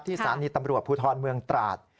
ที่สารณีตำรวจภูทรเมืองตราศน์